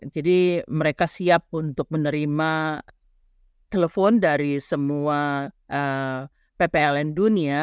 jadi mereka siap untuk menerima telepon dari semua ppln dunia